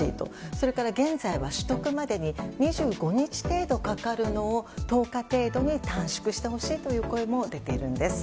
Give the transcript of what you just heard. それから現在は取得までに２５日程度かかるのを１０日程度に短縮してほしいという声も出ているんです。